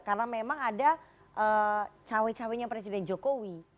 karena memang ada cowek coweknya presiden jokowi